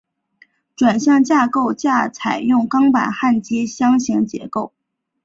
转向架构架采用钢板焊接箱型结构。